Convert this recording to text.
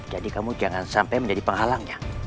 jadi kamu jangan sampai menjadi penghalangnya